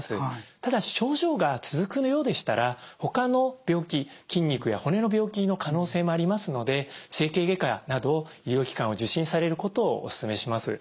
ただし症状が続くようでしたらほかの病気筋肉や骨の病気の可能性もありますので整形外科など医療機関を受診されることをおすすめします。